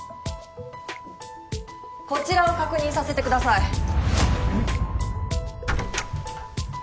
こちらを確認させてください。